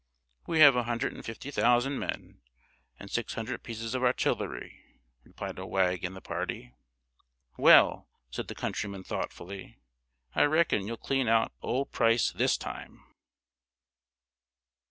"We have a hundred and fifty thousand men, and six hundred pieces of artillery," replied a wag in the party. "Well," said the countryman, thoughtfully, "I reckon you'll clean out old Price this time!"